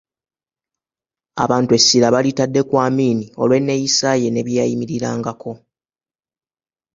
Abantu essira balitadde ku Amin olw'enneeyisa ye ne bye yayimirirangako.